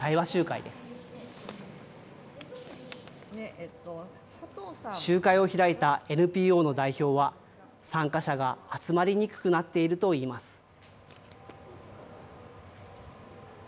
集会を開いたＮＰＯの代表は、参加者が集まりにくくなっているといいます。